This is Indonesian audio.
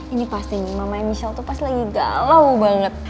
ini pasti nih mama emisial tuh pas lagi galau banget